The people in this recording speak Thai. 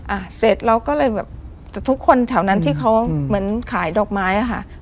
อ่ะเสร็จเราก็เลยแบบแต่ทุกคนแถวนั้นที่เขาเหมือนขายดอกไม้อ่ะค่ะ